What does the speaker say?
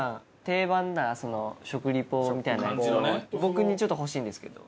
定番な食リポみたいなやつを僕にちょっと欲しいんですけど。